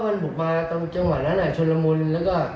มันบุกมาตรงจังหวะนั้นชนละมุนแล้วก็